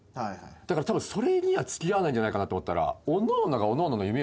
だからそれには付き合わないんじゃないかなと思ったら。